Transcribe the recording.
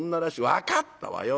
「分かったわよ。